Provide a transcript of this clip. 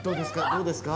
どうですか？